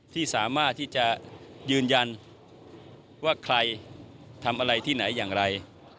ที่สามารถที่จะยืนยันว่าใครทำอะไรที่ไหนอย่างไร